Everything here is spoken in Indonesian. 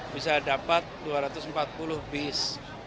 bisa dapat dua ratus empat puluh bis